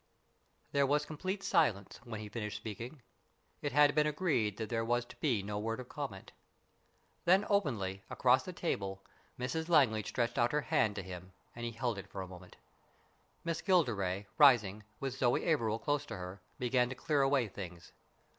There was complete silence when he finished speaking. It had been agreed that there was to be no word of comment. Then openly, across the table, Mrs Langley stretched out her hand to him, and he held it for a moment. Miss Gilderay, rising, with Zoe Averil close to her, began to clear away things.